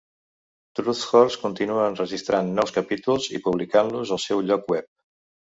Truthhorse continua enregistrant nous capítols i publicant-los al seu lloc web.